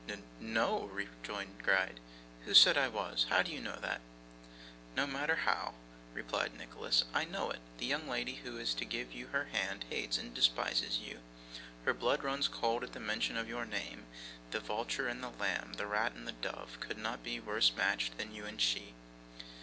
'N n no,' rejoined Gride. 'Who said I was? How do you know that?' 'No matter how,' replied Nicholas, 'I know it. The young lady who is to give you her hand hates and despises you. Her blood runs cold at the mention of your name; the vulture and the lamb, the rat and the dove, could not be worse matched than you and she.